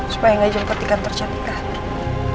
supaya gak dijemput ikan tercantik lagi